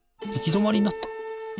どまりになった！